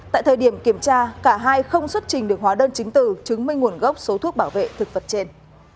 tại thời điểm kiểm tra cả hai không xuất trình được hóa đơn chứng từ chứng minh nguồn gốc số thuốc bảo vệ thực vật trên